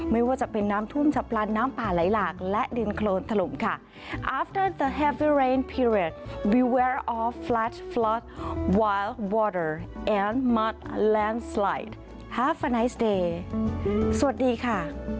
ไม่ว่าจะเป็นน้ำท่วมฉับพลันน้ำป่าไหลหลากและดินโครนถล่มค่ะ